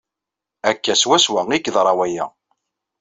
Akka swaswa ay yeḍra waya.